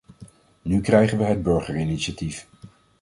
Nu krijgen we het burgerinitiatief.